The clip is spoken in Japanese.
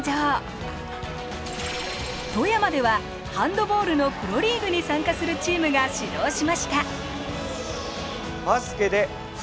富山ではハンドボールのプロリーグに参加するチームが始動しました。